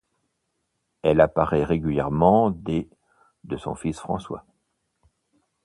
Elle apparaît régulièrement des de son fils François.